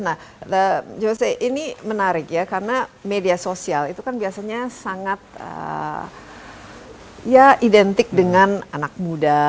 nah jose ini menarik ya karena media sosial itu kan biasanya sangat ya identik dengan anak muda